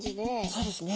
そうですね。